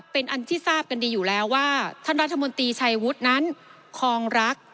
เป็นอันที่ทราบกันดีอยู่แล้วว่าท่านรัฐมนตรีชัยวุฒินั้นคองรัก